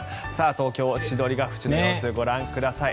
東京・千鳥ヶ淵の様子ご覧ください。